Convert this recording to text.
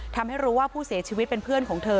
ทำให้รู้ว่าผู้เสียชีวิตเป็นเพื่อนของเธอ